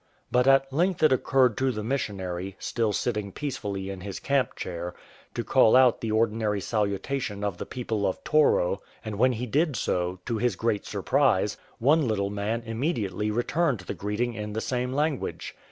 I3at at length it occurred to the missionary, still sitting peacefully in his camp chair, to call out the ordinary salutation of the people of Toro ; and when he did so, to his great surprise, one little man immediately returned the greet ing in the same language.